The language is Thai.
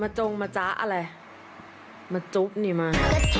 จงมาจ๊ะอะไรมาจุ๊บนี่มา